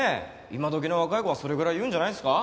今どきの若い子はそれぐらい言うんじゃないですか？